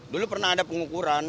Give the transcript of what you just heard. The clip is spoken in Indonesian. dulu pernah ada pengukuran